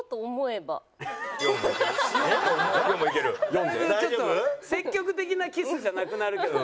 だいぶちょっと積極的なキスじゃなくなるけど。